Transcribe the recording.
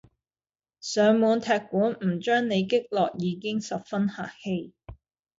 上門踢館，唔將你擊落已經十分客氣